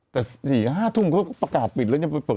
แต่สี่ห้าทุ่งก็ประกาศปิดแล้วเนี่ย